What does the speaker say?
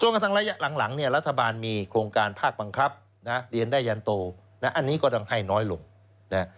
กระทั่งระยะหลังเนี่ยรัฐบาลมีโครงการภาคบังคับนะเรียนได้ยันโตนะอันนี้ก็ต้องให้น้อยลงนะ